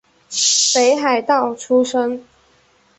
北海道出身。